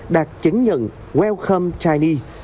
đạt chứng nhận welcome chinese